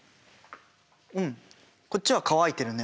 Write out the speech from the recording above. うんこっちは乾いてるね。